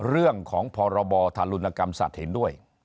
เรื่องของพรบธารุณกรรมสัตว์เห็นด้วย